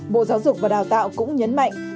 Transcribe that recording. bộ giáo dục và đào tạo cũng nhấn mạnh